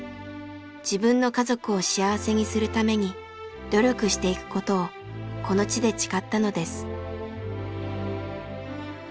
自分の家族を幸せにするために努力していくことをこの地で誓ったのです。